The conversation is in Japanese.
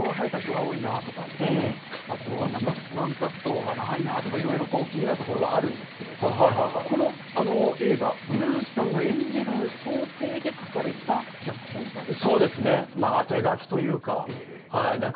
いろいろね、ひげの生えた人が多いなとか、あとは、ワンカットが長いなとか、いろいろ気になるところはあるんですけれど、この映画、稲垣さんが演じる想定で書かれた脚本だった。